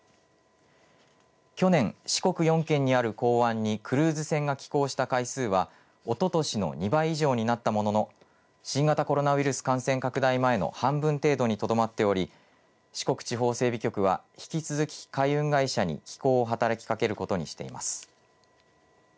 去年、四国４県にある港湾にクルーズ船が寄港した回数はおととしの２倍以上になったものの新型コロナウイルス感染拡大前の半分程度にとどまっており四国地方整備局は引き続き海運会社に寄港を働きかけることにしています。